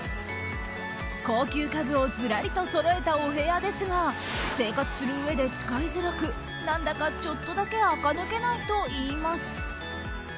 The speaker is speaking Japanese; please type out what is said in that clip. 高級家具をずらりとそろえたお部屋ですが生活するうえで使いづらく何だか、ちょっとだけあか抜けないといいます。